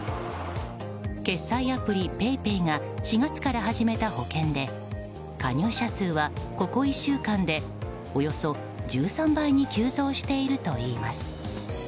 決済アプリ、ＰａｙＰａｙが４月から始めた保険で加入者数は、ここ１週間でおよそ１３倍に急増しているといいます。